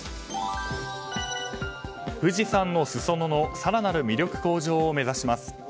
富士山のすそ野の更なる魅力向上を目指します。